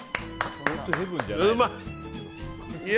うまい！